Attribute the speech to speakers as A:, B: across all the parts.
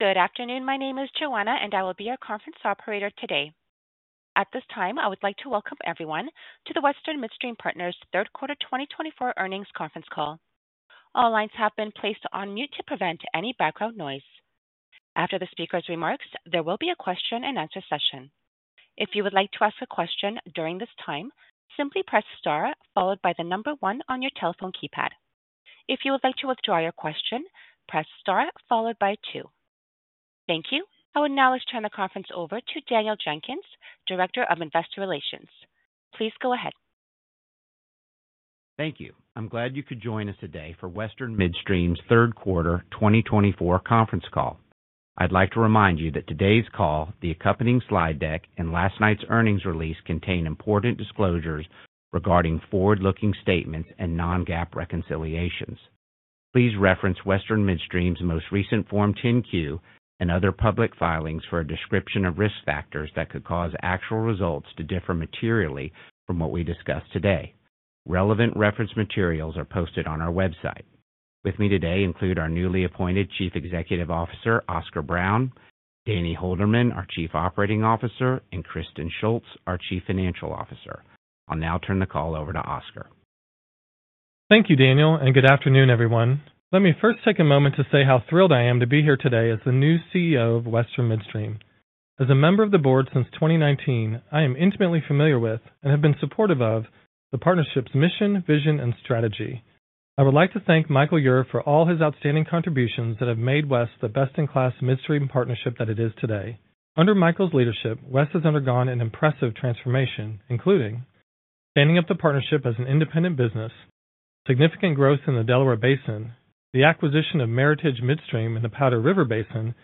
A: Good afternoon. My name is Joanna, and I will be your conference operator today. At this time, I would like to welcome everyone to the Western Midstream Partners Third Quarter 2024 earnings conference call. All lines have been placed on mute to prevent any background noise. After the speaker's remarks, there will be a question-and-answer session. If you would like to ask a question during this time, simply press star followed by the number one on your telephone keypad. If you would like to withdraw your question, press star followed by two. Thank you. I will now turn the conference over to Daniel Jenkins, Director of Investor Relations. Please go ahead.
B: Thank you. I'm glad you could join us today for Western Midstream's Third Quarter 2024 conference call. I'd like to remind you that today's call, the accompanying slide deck, and last night's earnings release contain important disclosures regarding forward-looking statements and non-GAAP reconciliations. Please reference Western Midstream's most recent Form 10-Q and other public filings for a description of risk factors that could cause actual results to differ materially from what we discuss today. Relevant reference materials are posted on our website. With me today include our newly appointed Chief Executive Officer, Oscar Brown, Danny Holderman, our Chief Operating Officer, and Kristen Shults, our Chief Financial Officer. I'll now turn the call over to Oscar.
C: Thank you, Daniel, and good afternoon, everyone. Let me first take a moment to say how thrilled I am to be here today as the new CEO of Western Midstream. As a member of the board since 2019, I am intimately familiar with and have been supportive of the partnership's mission, vision, and strategy. I would like to thank Michael Ure for all his outstanding contributions that have made WES the best-in-class midstream partnership that it is today. Under Michael's leadership, WES has undergone an impressive transformation, including standing up the partnership as an independent business, significant growth in the Delaware Basin, the acquisition of Meritage Midstream in the Powder River Basin,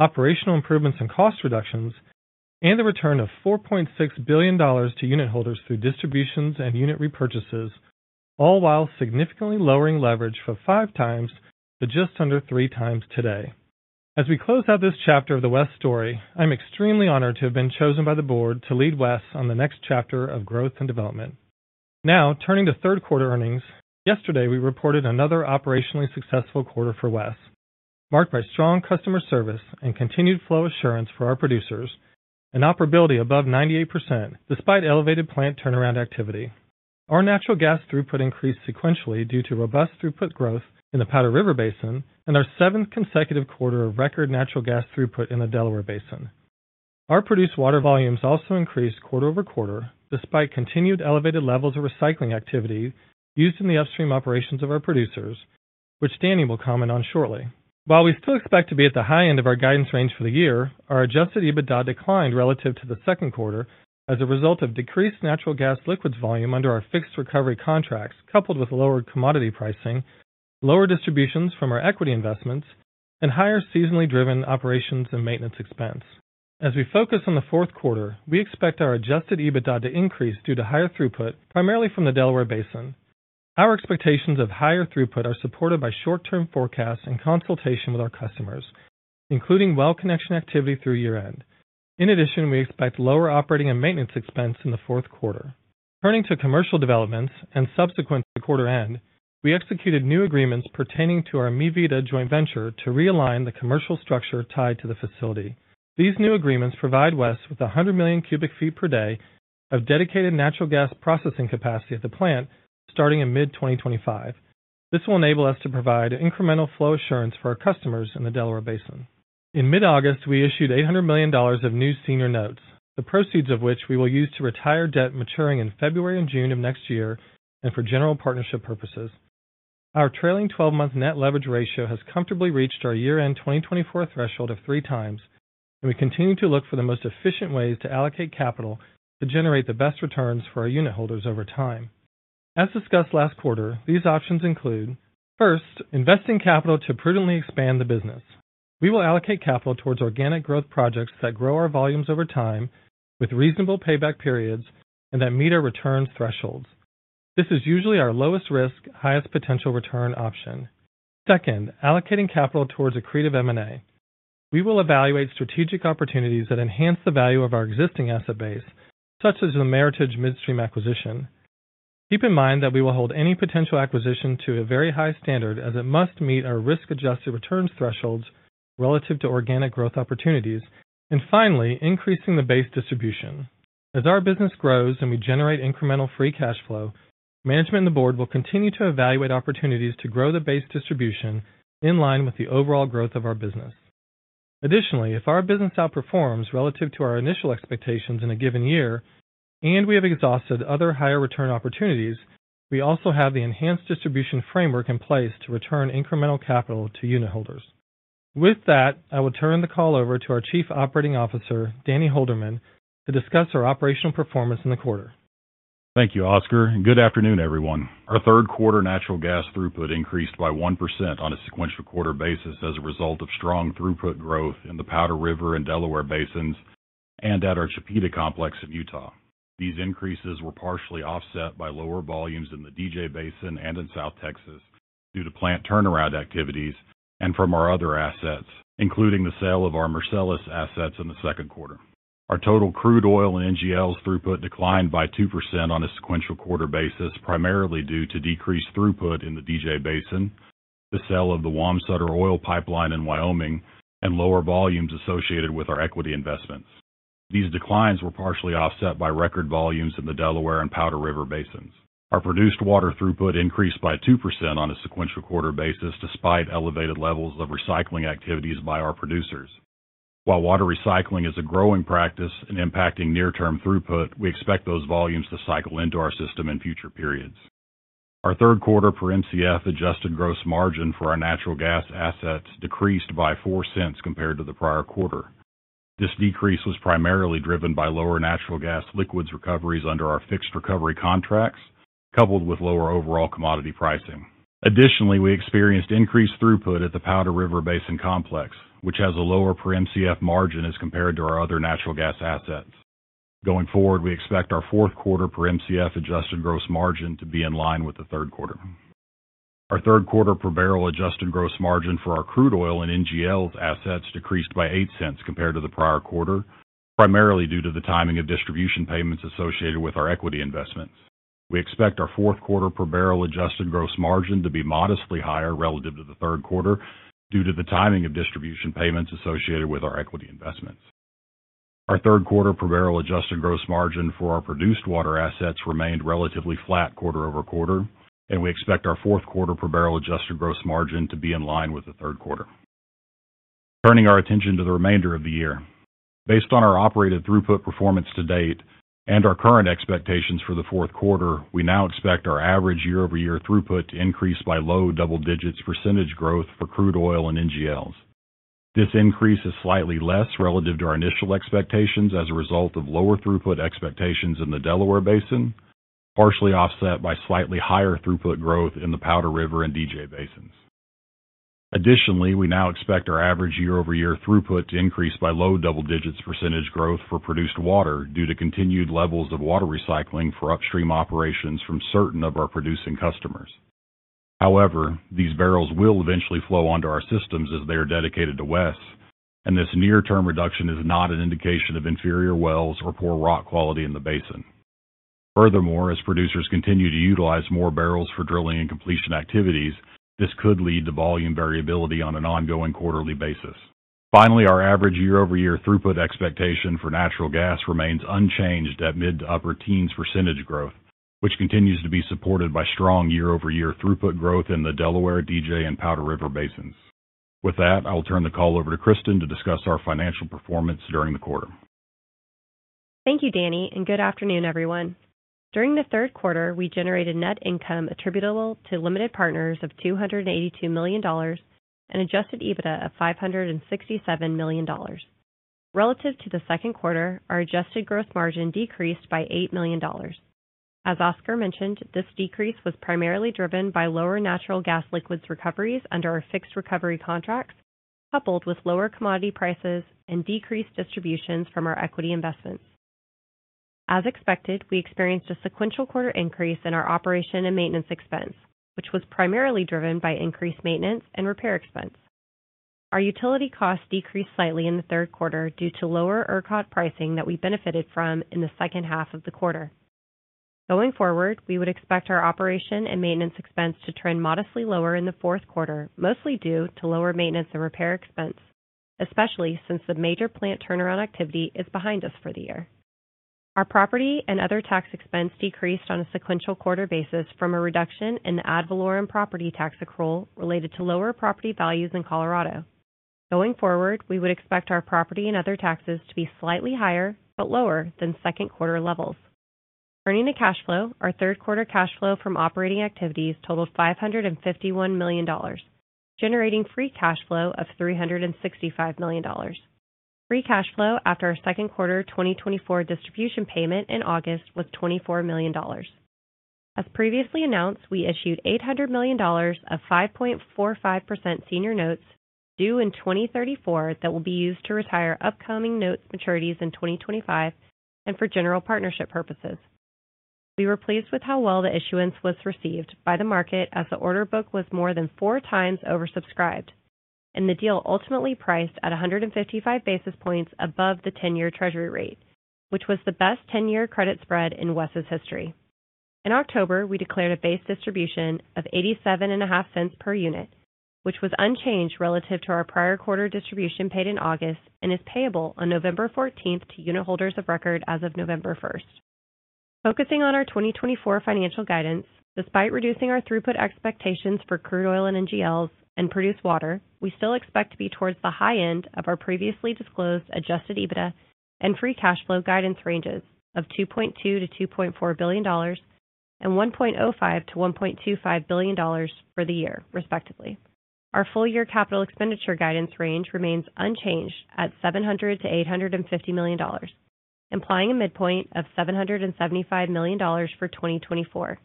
C: operational improvements and cost reductions, and the return of $4.6 billion to unit holders through distributions and unit repurchases, all while significantly lowering leverage from 5x to just under 3x today. As we close out this chapter of the WES story, I'm extremely honored to have been chosen by the board to lead WES on the next chapter of growth and development. Now, turning to third quarter earnings, yesterday we reported another operationally successful quarter for WES, marked by strong customer service and continued flow assurance for our producers, and operability above 98% despite elevated plant turnaround activity. Our natural gas throughput increased sequentially due to robust throughput growth in the Powder River Basin and our seventh consecutive quarter of record natural gas throughput in the Delaware Basin. Our produced water volumes also increased quarter over quarter despite continued elevated levels of recycling activity used in the upstream operations of our producers, which Danny will comment on shortly. While we still expect to be at the high end of our guidance range for the year, our Adjusted EBITDA declined relative to the second quarter as a result of decreased natural gas liquids volume under our fixed recovery contracts coupled with lower commodity pricing, lower distributions from our equity investments, and higher seasonally driven operations and maintenance expense. As we focus on the fourth quarter, we expect our Adjusted EBITDA to increase due to higher throughput, primarily from the Delaware Basin. Our expectations of higher throughput are supported by short-term forecasts in consultation with our customers, including well connection activity through year-end. In addition, we expect lower operating and maintenance expense in the fourth quarter. Turning to commercial developments and subsequent to quarter end, we executed new agreements pertaining to our Mi Vida joint venture to realign the commercial structure tied to the facility. These new agreements provide WES with 100 million cu ft per day of dedicated natural gas processing capacity at the plant starting in mid-2025. This will enable us to provide incremental flow assurance for our customers in the Delaware Basin. In mid-August, we issued $800 million of new senior notes, the proceeds of which we will use to retire debt maturing in February and June of next year and for general partnership purposes. Our trailing 12-month net leverage ratio has comfortably reached our year-end 2024 threshold of 3x, and we continue to look for the most efficient ways to allocate capital to generate the best returns for our unit holders over time. As discussed last quarter, these options include: first, investing capital to prudently expand the business. We will allocate capital towards organic growth projects that grow our volumes over time with reasonable payback periods and that meet our return thresholds. This is usually our lowest risk, highest potential return option. Second, allocating capital towards accretive M&A. We will evaluate strategic opportunities that enhance the value of our existing asset base, such as the Meritage Midstream acquisition. Keep in mind that we will hold any potential acquisition to a very high standard as it must meet our risk-adjusted returns thresholds relative to organic growth opportunities. And finally, increasing the base distribution. As our business grows and we generate incremental free cash flow, management and the board will continue to evaluate opportunities to grow the base distribution in line with the overall growth of our business. Additionally, if our business outperforms relative to our initial expectations in a given year and we have exhausted other higher return opportunities, we also have the enhanced distribution framework in place to return incremental capital to unit holders. With that, I will turn the call over to our Chief Operating Officer, Danny Holderman, to discuss our operational performance in the quarter.
D: Thank you, Oscar. Good afternoon, everyone. Our third quarter natural gas throughput increased by 1% on a sequential quarter basis as a result of strong throughput growth in the Powder River and Delaware Basins and at our Chipeta complex in Utah. These increases were partially offset by lower volumes in the DJ Basin and in South Texas due to plant turnaround activities and from our other assets, including the sale of our Marcellus assets in the second quarter. Our total crude oil and NGLs throughput declined by 2% on a sequential quarter basis, primarily due to decreased throughput in the DJ Basin, the sale of the Wamsutter oil pipeline in Wyoming, and lower volumes associated with our equity investments. These declines were partially offset by record volumes in the Delaware and Powder River Basins. Our produced water throughput increased by 2% on a sequential quarter basis despite elevated levels of recycling activities by our producers. While water recycling is a growing practice and impacting near-term throughput, we expect those volumes to cycle into our system in future periods. Our third quarter per-McF adjusted gross margin for our natural gas assets decreased by $0.04 compared to the prior quarter. This decrease was primarily driven by lower natural gas liquids recoveries under our fixed recovery contracts, coupled with lower overall commodity pricing. Additionally, we experienced increased throughput at the Powder River Basin Complex, which has a lower per-McF margin as compared to our other natural gas assets. Going forward, we expect our fourth quarter per-McF adjusted gross margin to be in line with the third quarter. Our third quarter per barrel adjusted gross margin for our crude oil and NGLs assets decreased by $0.08 compared to the prior quarter, primarily due to the timing of distribution payments associated with our equity investments. We expect our fourth quarter per barrel adjusted gross margin to be modestly higher relative to the third quarter due to the timing of distribution payments associated with our equity investments. Our third quarter per barrel adjusted gross margin for our produced water assets remained relatively flat quarter over quarter, and we expect our fourth quarter per barrel adjusted gross margin to be in line with the third quarter. Turning our attention to the remainder of the year, based on our operated throughput performance to date and our current expectations for the fourth quarter, we now expect our average year-over-year throughput to increase by low double-digit percentage growth for crude oil and NGLs. This increase is slightly less relative to our initial expectations as a result of lower throughput expectations in the Delaware Basin, partially offset by slightly higher throughput growth in the Powder River and DJ Basins. Additionally, we now expect our average year-over-year throughput to increase by low double-digit percentage growth for produced water due to continued levels of water recycling for upstream operations from certain of our producing customers. However, these barrels will eventually flow onto our systems as they are dedicated to WES, and this near-term reduction is not an indication of inferior wells or poor rock quality in the basin. Furthermore, as producers continue to utilize more barrels for drilling and completion activities, this could lead to volume variability on an ongoing quarterly basis. Finally, our average year-over-year throughput expectation for natural gas remains unchanged at mid- to upper-teens percentage growth, which continues to be supported by strong year-over-year throughput growth in the Delaware, DJ, and Powder River Basins. With that, I will turn the call over to Kristen to discuss our financial performance during the quarter.
E: Thank you, Danny, and good afternoon, everyone. During the third quarter, we generated net income attributable to limited partners of $282 million and Adjusted EBITDA of $567 million. Relative to the second quarter, our Adjusted gross margin decreased by $8 million. As Oscar mentioned, this decrease was primarily driven by lower natural gas liquids recoveries under our fixed recovery contracts, coupled with lower commodity prices and decreased distributions from our equity investments. As expected, we experienced a sequential quarter increase in our operation and maintenance expense, which was primarily driven by increased maintenance and repair expense. Our utility costs decreased slightly in the third quarter due to lower ERCOT pricing that we benefited from in the second half of the quarter. Going forward, we would expect our operation and maintenance expense to trend modestly lower in the fourth quarter, mostly due to lower maintenance and repair expense, especially since the major plant turnaround activity is behind us for the year. Our property and other tax expense decreased on a sequential quarter basis from a reduction in the ad valorem property tax accrual related to lower property values in Colorado. Going forward, we would expect our property and other taxes to be slightly higher but lower than second quarter levels. Turning to cash flow, our third quarter cash flow from operating activities totaled $551 million, generating free cash flow of $365 million. Free cash flow after our second quarter 2024 distribution payment in August was $24 million. As previously announced, we issued $800 million of 5.45% senior notes due in 2034 that will be used to retire upcoming notes maturities in 2025 and for general partnership purposes. We were pleased with how well the issuance was received by the market as the order book was more than 4x oversubscribed, and the deal ultimately priced at 155 basis points above the 10-year treasury rate, which was the best 10-year credit spread in WES's history. In October, we declared a base distribution of $0.875 per unit, which was unchanged relative to our prior quarter distribution paid in August and is payable on November 14th to unit holders of record as of November 1st. Focusing on our 2024 financial guidance, despite reducing our throughput expectations for crude oil and NGLs and produced water, we still expect to be towards the high end of our previously disclosed Adjusted EBITDA and free cash flow guidance ranges of $2.2 billion-$2.4 billion and $1.05 billion-$1.25 billion for the year, respectively. Our full-year capital expenditure guidance range remains unchanged at $700million-$850 million, implying a midpoint of $775 million for 2024.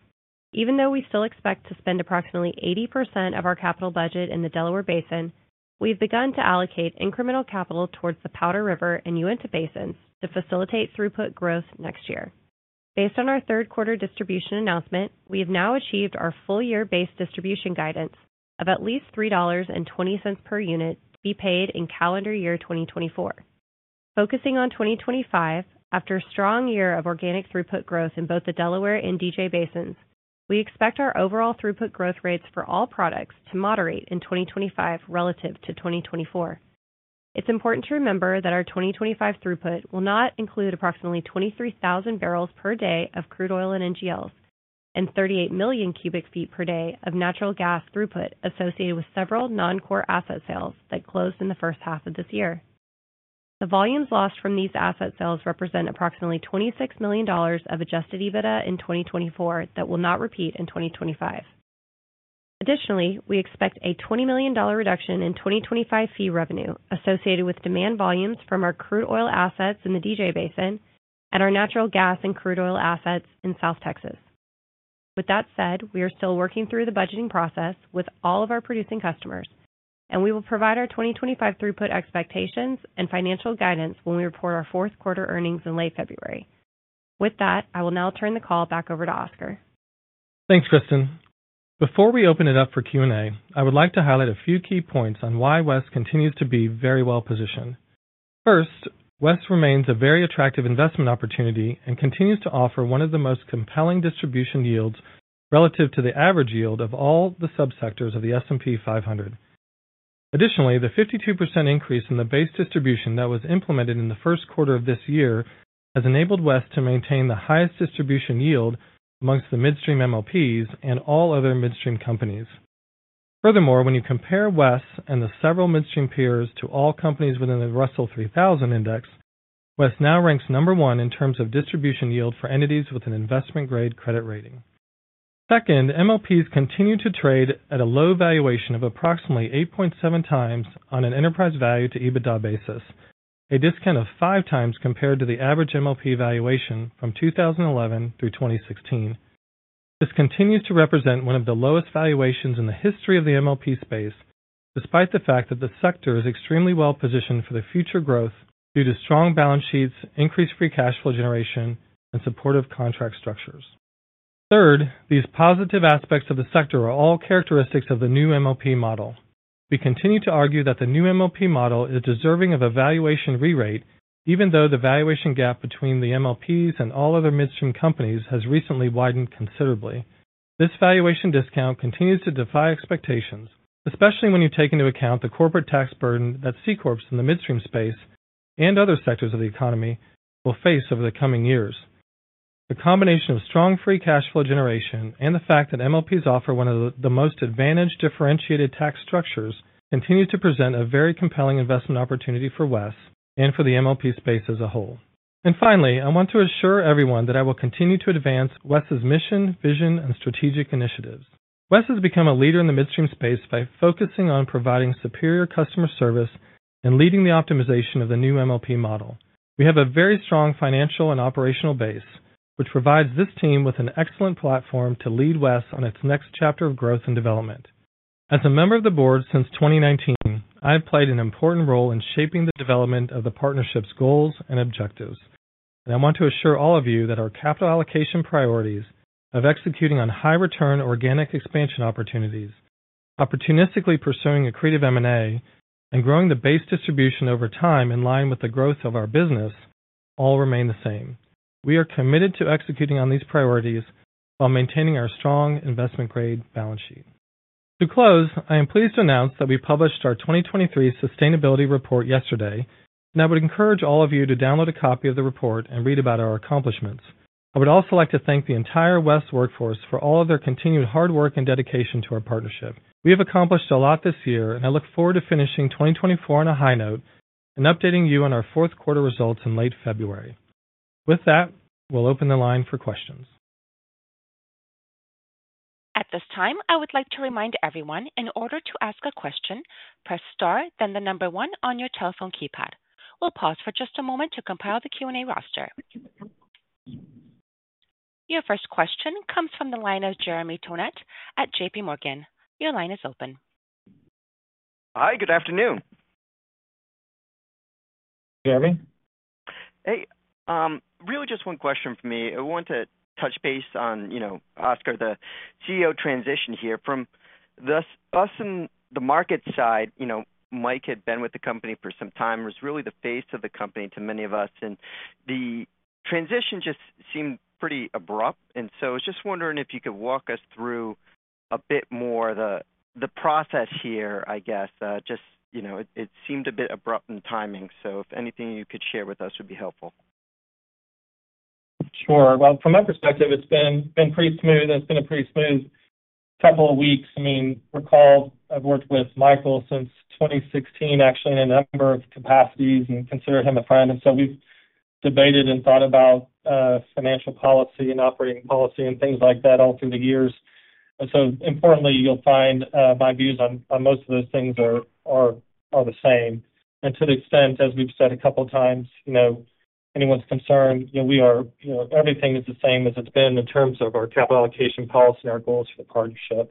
E: Even though we still expect to spend approximately 80% of our capital budget in the Delaware Basin, we've begun to allocate incremental capital towards the Powder River and Uinta Basins to facilitate throughput growth next year. Based on our third quarter distribution announcement, we have now achieved our full-year base distribution guidance of at least $3.20 per unit to be paid in calendar year 2024. Focusing on 2025, after a strong year of organic throughput growth in both the Delaware and DJ Basins, we expect our overall throughput growth rates for all products to moderate in 2025 relative to 2024. It's important to remember that our 2025 throughput will not include approximately 23,000 barrels per day of crude oil and NGLs and 38 million cu ft per day of natural gas throughput associated with several non-core asset sales that closed in the first half of this year. The volumes lost from these asset sales represent approximately $26 million of Adjusted EBITDA in 2024 that will not repeat in 2025. Additionally, we expect a $20 million reduction in 2025 fee revenue associated with demand volumes from our crude oil assets in the DJ Basin and our natural gas and crude oil assets in South Texas. With that said, we are still working through the budgeting process with all of our producing customers, and we will provide our 2025 throughput expectations and financial guidance when we report our fourth quarter earnings in late February. With that, I will now turn the call back over to Oscar.
C: Thanks, Kristen. Before we open it up for Q&A, I would like to highlight a few key points on why WES continues to be very well positioned. First, WES remains a very attractive investment opportunity and continues to offer one of the most compelling distribution yields relative to the average yield of all the subsectors of the S&P 500. Additionally, the 52% increase in the base distribution that was implemented in the first quarter of this year has enabled WES to maintain the highest distribution yield amongst the midstream MLPs and all other midstream companies. Furthermore, when you compare WES and the several midstream peers to all companies within the Russell 3000 Index, WES now ranks number one in terms of distribution yield for entities with an investment-grade credit rating. Second, MLPs continue to trade at a low valuation of approximately 8.7x on an enterprise value to EBITDA basis, a discount of 5x compared to the average MLP valuation from 2011 through 2016. This continues to represent one of the lowest valuations in the history of the MLP space, despite the fact that the sector is extremely well positioned for the future growth due to strong balance sheets, increased free cash flow generation, and supportive contract structures. Third, these positive aspects of the sector are all characteristics of the new MLP model. We continue to argue that the new MLP model is deserving of a valuation re-rate, even though the valuation gap between the MLPs and all other midstream companies has recently widened considerably. This valuation discount continues to defy expectations, especially when you take into account the corporate tax burden that C Corps in the midstream space and other sectors of the economy will face over the coming years. The combination of strong free cash flow generation and the fact that MLPs offer one of the most advantaged differentiated tax structures continues to present a very compelling investment opportunity for WES and for the MLP space as a whole. And finally, I want to assure everyone that I will continue to advance WES's mission, vision, and strategic initiatives. WES has become a leader in the midstream space by focusing on providing superior customer service and leading the optimization of the new MLP model. We have a very strong financial and operational base, which provides this team with an excellent platform to lead WES on its next chapter of growth and development. As a member of the board since 2019, I have played an important role in shaping the development of the partnership's goals and objectives. And I want to assure all of you that our capital allocation priorities of executing on high-return organic expansion opportunities, opportunistically pursuing a creative M&A, and growing the base distribution over time in line with the growth of our business all remain the same. We are committed to executing on these priorities while maintaining our strong investment-grade balance sheet. To close, I am pleased to announce that we published our 2023 Sustainability Report yesterday, and I would encourage all of you to download a copy of the report and read about our accomplishments. I would also like to thank the entire WES workforce for all of their continued hard work and dedication to our partnership. We have accomplished a lot this year, and I look forward to finishing 2024 on a high note and updating you on our fourth quarter results in late February. With that, we'll open the line for questions.
A: At this time, I would like to remind everyone, in order to ask a question, press star, then the number one on your telephone keypad. We'll pause for just a moment to compile the Q&A roster. Your first question comes from the line of Jeremy Tonet at J.P. Morgan. Your line is open.
F: Hi, good afternoon.
C: Jeremy?
F: Hey. Really just one question for me. I want to touch base on, you know, Oscar, the CEO transition here. From us in the market side, you know, Mike had been with the company for some time, was really the face of the company to many of us, and the transition just seemed pretty abrupt, and so I was just wondering if you could walk us through a bit more of the process here, I guess. Just, you know, it seemed a bit abrupt in timing, so if anything you could share with us would be helpful.
C: Sure. Well, from my perspective, it's been pretty smooth. It's been a pretty smooth couple of weeks. I mean, recall, I've worked with Michael since 2016, actually, in a number of capacities and consider him a friend. And so we've debated and thought about financial policy and operating policy and things like that all through the years. And so importantly, you'll find my views on most of those things are the same. And to the extent, as we've said a couple of times, you know, anyone's concerned, you know, we are, you know, everything is the same as it's been in terms of our capital allocation policy and our goals for the partnership.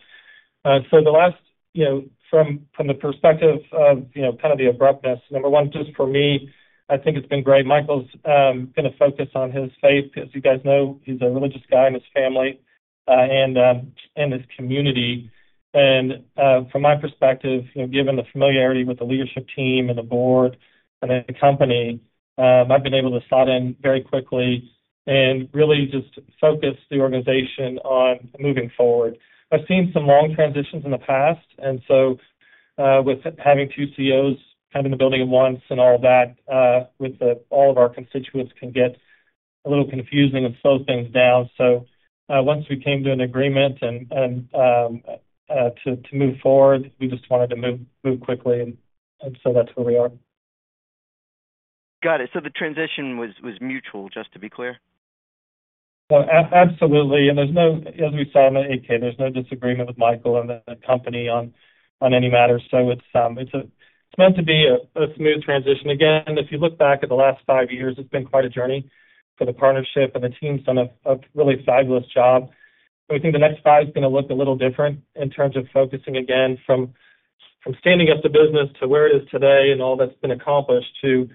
C: So the last, you know, from the perspective of, you know, kind of the abruptness, number one, just for me, I think it's been great. Michael's been a focus on his faith. As you guys know, he's a religious guy in his family and his community, and from my perspective, you know, given the familiarity with the leadership team and the board and the company, I've been able to slide in very quickly and really just focus the organization on moving forward. I've seen some long transitions in the past, and so with having two CEOs kind of in the building at once and all that, with all of our constituents, can get a little confusing and slow things down. So once we came to an agreement and to move forward, we just wanted to move quickly, and so that's where we are.
F: Got it. So the transition was mutual, just to be clear.
C: Absolutely. And there's no, as we saw on the 8-K, there's no disagreement with Michael and the company on any matter. So it's meant to be a smooth transition. Again, if you look back at the last five years, it's been quite a journey for the partnership and the team's done a really fabulous job. And we think the next five is going to look a little different in terms of focusing again from standing up the business to where it is today and all that's been accomplished to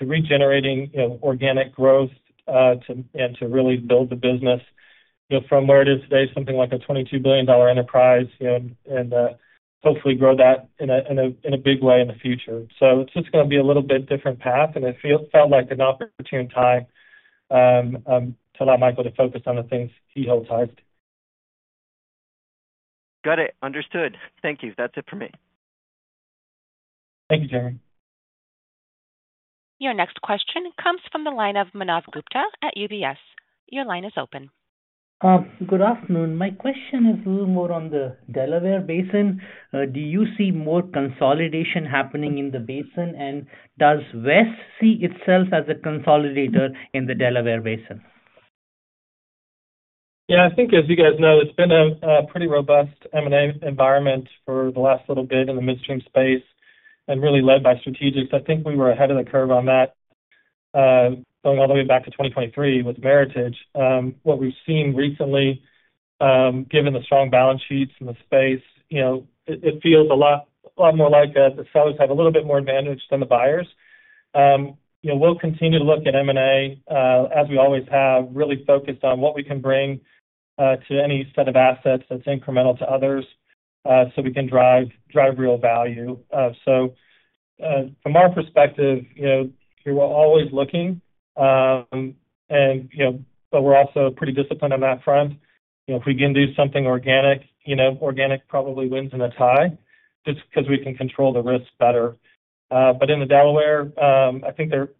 C: regenerating organic growth and to really build the business, you know, from where it is today, something like a $22 billion enterprise, you know, and hopefully grow that in a big way in the future. So it's just going to be a little bit different path, and it felt like an opportune time to allow Michael to focus on the things he holds highest.
F: Got it. Understood. Thank you. That's it for me.
C: Thank you, Jeremy.
A: Your next question comes from the line of Manav Gupta at UBS. Your line is open.
G: Good afternoon. My question is a little more on the Delaware Basin. Do you see more consolidation happening in the basin, and does WES see itself as a consolidator in the Delaware Basin?
C: Yeah, I think, as you guys know, there's been a pretty robust M&A environment for the last little bit in the midstream space and really led by strategics. I think we were ahead of the curve on that going all the way back to 2023 with Meritage. What we've seen recently, given the strong balance sheets and the space, you know, it feels a lot more like the sellers have a little bit more advantage than the buyers. You know, we'll continue to look at M&A, as we always have, really focused on what we can bring to any set of assets that's incremental to others so we can drive real value. So from our perspective, you know, we're always looking, and, you know, but we're also pretty disciplined on that front. You know, if we can do something organic, you know, organic probably wins in a tie just because we can control the risk better. But in the Delaware, I think there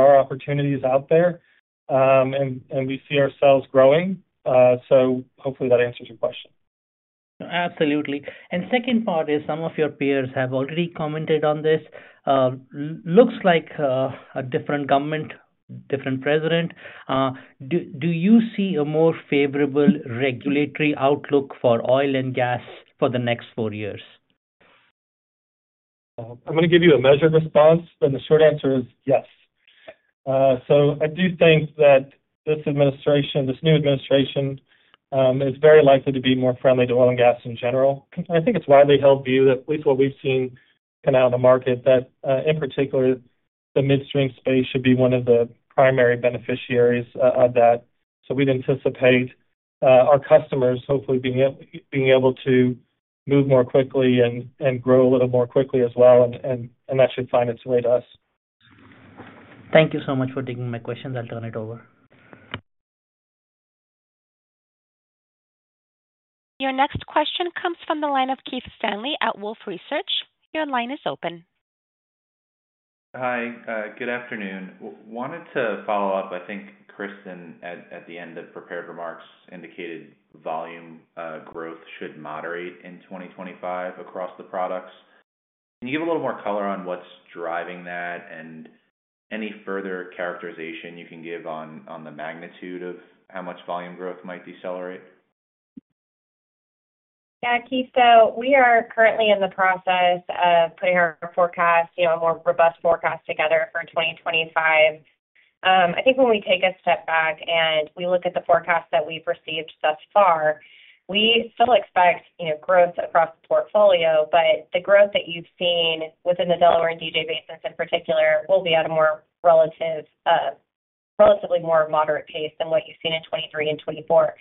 C: are opportunities out there, and we see ourselves growing. So hopefully that answers your question.
G: Absolutely. And second part is some of your peers have already commented on this. Looks like a different government, different president. Do you see a more favorable regulatory outlook for oil and gas for the next four years?
C: I'm going to give you a measured response, but the short answer is yes. So I do think that this administration, this new administration, is very likely to be more friendly to oil and gas in general. I think it's a widely held view that at least what we've seen kind of out in the market, that in particular, the midstream space should be one of the primary beneficiaries of that. So we'd anticipate our customers hopefully being able to move more quickly and grow a little more quickly as well and actually find its way to us.
G: Thank you so much for taking my questions. I'll turn it over.
A: Your next question comes from the line of Keith Stanley at Wolfe Research. Your line is open.
H: Hi, good afternoon. Wanted to follow up. I think Kristen, at the end of prepared remarks, indicated volume growth should moderate in 2025 across the products. Can you give a little more color on what's driving that and any further characterization you can give on the magnitude of how much volume growth might decelerate?
E: Yeah, Keith, so we are currently in the process of putting our forecast, you know, a more robust forecast together for 2025. I think when we take a step back and we look at the forecast that we've received thus far, we still expect, you know, growth across the portfolio, but the growth that you've seen within the Delaware and DJ basins in particular will be at a more relatively more moderate pace than what you've seen in 2023 and 2024.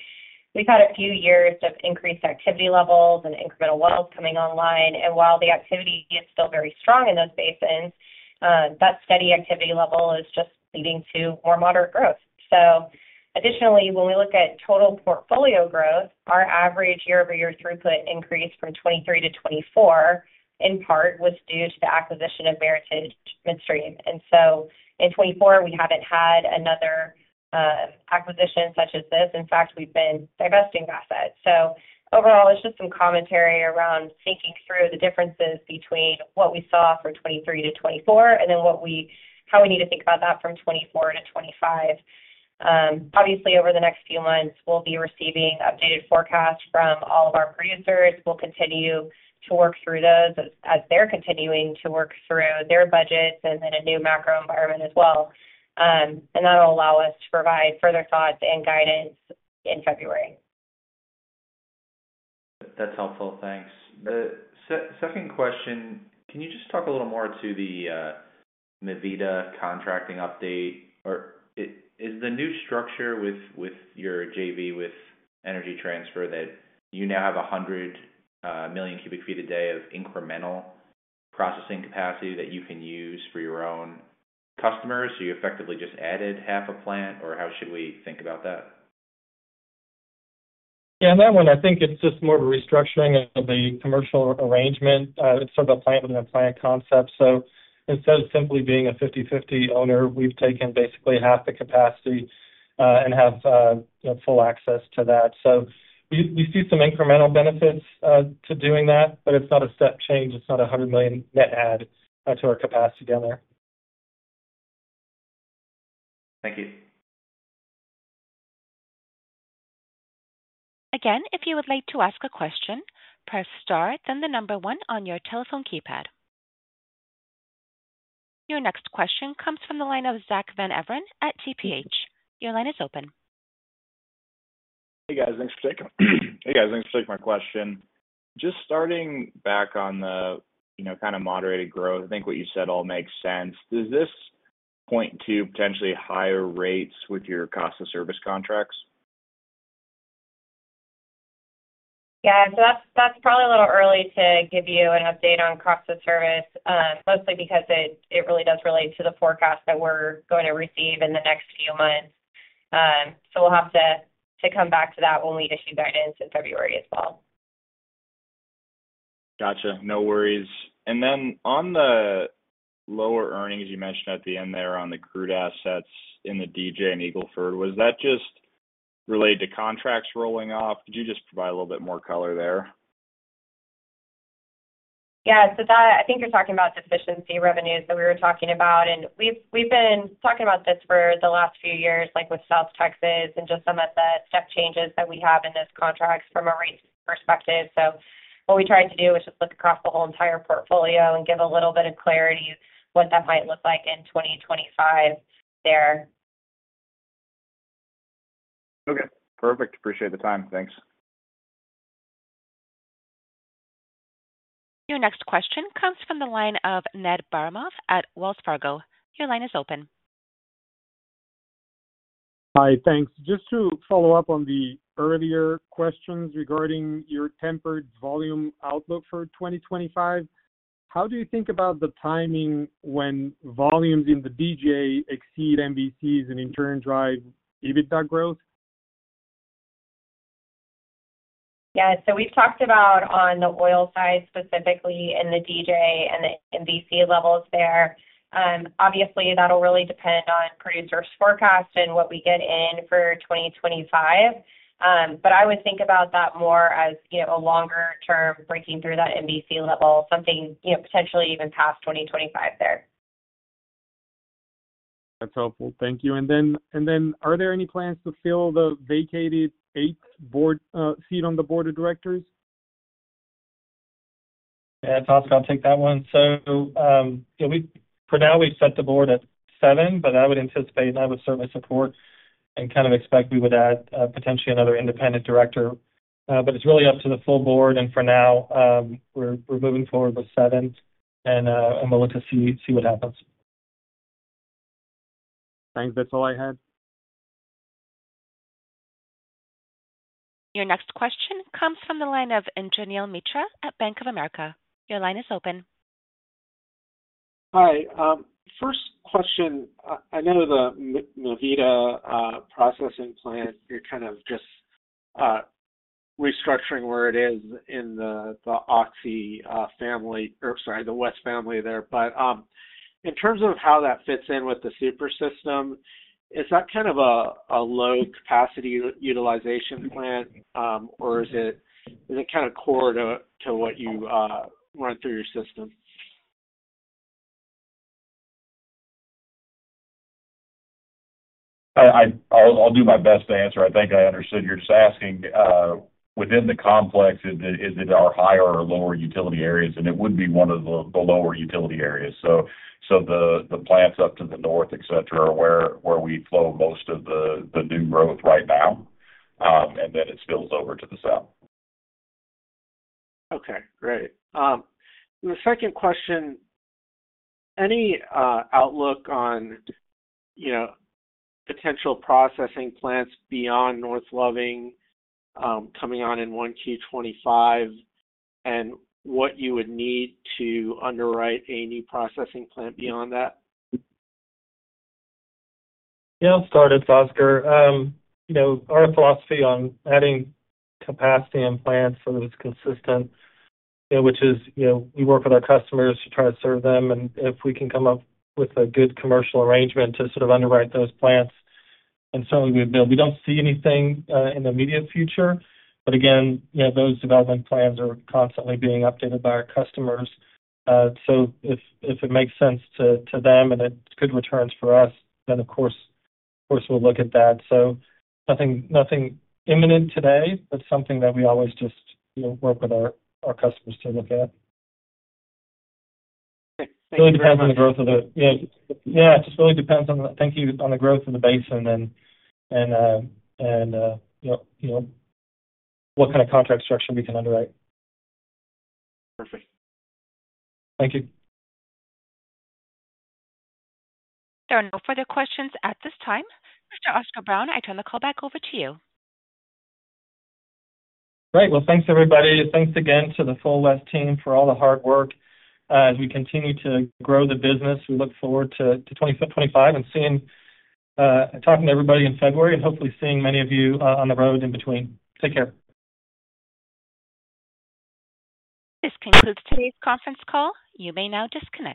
E: We've had a few years of increased activity levels and incremental wells coming online, and while the activity is still very strong in those basins, that steady activity level is just leading to more moderate growth, so additionally, when we look at total portfolio growth, our average year-over-year throughput increase from 2023 to 2024 in part was due to the acquisition of Meritage Midstream. And so in 2024, we haven't had another acquisition such as this. In fact, we've been divesting assets. So overall, it's just some commentary around thinking through the differences between what we saw for 2023 to 2024 and then how we need to think about that from 2024 to 2025. Obviously, over the next few months, we'll be receiving updated forecasts from all of our producers. We'll continue to work through those as they're continuing to work through their budgets and then a new macro environment as well. And that'll allow us to provide further thoughts and guidance in February.
H: That's helpful. Thanks. The second question, can you just talk a little more to the Mi Vida contracting update? Or is the new structure with your JV with Energy Transfer that you now have 100 million cu ft a day of incremental processing capacity that you can use for your own customers? So you effectively just added half a plant? Or how should we think about that?
C: Yeah, in that one, I think it's just more of a restructuring of the commercial arrangement instead of a plant-on-plant concept. So instead of simply being a 50/50 owner, we've taken basically half the capacity and have full access to that. So we see some incremental benefits to doing that, but it's not a step change. It's not a 100 million net add to our capacity down there.
H: Thank you.
A: Again, if you would like to ask a question, press star, then the number one on your telephone keypad. Your next question comes from the line of Zack Van Everen at TPH. Your line is open.
I: Hey, guys. Thanks for taking my question. Just starting back on the, you know, kind of moderated growth, I think what you said all makes sense. Does this point to potentially higher rates with your cost-of-service contracts?
E: Yeah, so that's probably a little early to give you an update on cost-of-service, mostly because it really does relate to the forecast that we're going to receive in the next few months. So we'll have to come back to that when we issue guidance in February as well.
H: Gotcha. No worries. And then on the lower earnings you mentioned at the end there on the crude assets in the DJ and Eagle Ford, was that just related to contracts rolling off? Could you just provide a little bit more color there?
E: Yeah, so I think you're talking about deficiency revenues that we were talking about. And we've been talking about this for the last few years, like with South Texas and just some of the step changes that we have in those contracts from a rate perspective. So what we tried to do was just look across the whole entire portfolio and give a little bit of clarity on what that might look like in 2025 there.
I: Okay. Perfect. Appreciate the time. Thanks.
A: Your next question comes from the line of Ned Baramov at Wells Fargo. Your line is open.
J: Hi, thanks. Just to follow up on the earlier questions regarding your tempered volume outlook for 2025, how do you think about the timing when volumes in the DJ exceed MVCs and in turn drive EBITDA growth?
E: Yeah, so we've talked about on the oil side specifically in the DJ and the MVC levels there. Obviously, that'll really depend on producers' forecasts and what we get in for 2025. But I would think about that more as, you know, a longer-term breaking through that MVC level, something, you know, potentially even past 2025 there.
J: That's helpful. Thank you. And then are there any plans to fill the vacated eighth board seat on the board of directors?
C: Yeah, it's awesome. I'll take that one. So for now, we've set the board at seven, but I would anticipate and I would certainly support and kind of expect we would add potentially another independent director. But it's really up to the full board. And for now, we're moving forward with seven, and we'll have to see what happens.
J: Thanks. That's all I had.
A: Your next question comes from the line of Neel Mitra at Bank of America. Your line is open.
K: Hi. First question, I know the Mi Vida processing plant, you're kind of just restructuring where it is in the Oxy family or, sorry, the WES family there. But in terms of how that fits in with the super system, is that kind of a low-capacity utilization plant, or is it kind of core to what you run through your system?
D: I'll do my best to answer. I think I understood. You're just asking within the complex, is it our higher or lower utility areas? And it would be one of the lower utility areas. So the plants up to the north, et cetera, are where we flow most of the new growth right now, and then it spills over to the south.
K: Okay. Great. The second question, any outlook on potential processing plants beyond North Loving coming on in 1Q25 and what you would need to underwrite a new processing plant beyond that?
C: Yeah, I'll start it, Oscar. You know, our philosophy on adding capacity and plants so that it's consistent, which is, you know, we work with our customers to try to serve them. And if we can come up with a good commercial arrangement to sort of underwrite those plants, then certainly we build. We don't see anything in the immediate future, but again, you know, those development plans are constantly being updated by our customers. So if it makes sense to them and it's good returns for us, then, of course, of course, we'll look at that. So nothing imminent today, but something that we always just work with our customers to look at.
K: Perfect. Thank you.
C: It really depends on the growth of the basin and, you know, what kind of contract structure we can underwrite.
K: Perfect.
C: Thank you.
A: There are no further questions at this time. Mr. Oscar Brown, I turn the call back over to you.
C: All right. Well, thanks, everybody. Thanks again to the full WES team for all the hard work as we continue to grow the business. We look forward to 2025 and seeing, talking to everybody in February and hopefully seeing many of you on the road in between. Take care.
A: This concludes today's conference call. You may now disconnect.